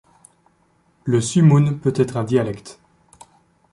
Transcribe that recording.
Le sumoun peut être un dialecte.